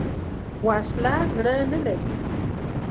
وسله زړه نه لري